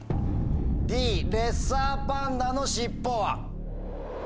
「Ｄレッサーパンダのしっぽ」は？